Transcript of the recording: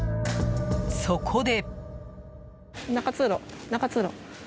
そこで。